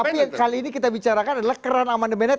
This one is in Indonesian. tapi yang kali ini kita bicarakan adalah keran amandemennya